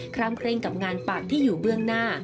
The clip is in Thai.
ข้ามเคร่งกับงานปั่นที่อยู่เบื้องหน้า